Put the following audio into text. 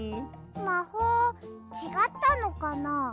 まほうちがったのかな？